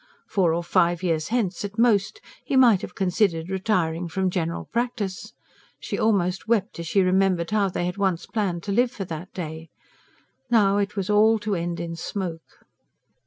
Four or five years hence, at most, he might have considered retiring from general practice. She almost wept as she remembered how they had once planned to live for that day. Now it was all to end in smoke.